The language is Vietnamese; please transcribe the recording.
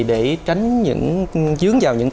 để tránh những dướng vào những